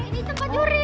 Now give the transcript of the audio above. di tempat juri